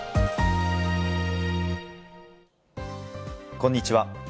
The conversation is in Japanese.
こんにちは。